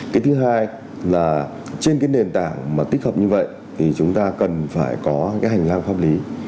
cái thứ hai là trên cái nền tảng mà tích hợp như vậy thì chúng ta cần phải có cái hành lang pháp lý